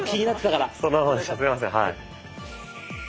すいませんはい。